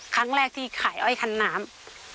ครั้งแรกที่ขายอ้อยคันน้ำ